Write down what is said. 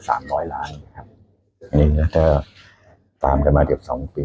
ตามกันมาเดียวกัน๒ปี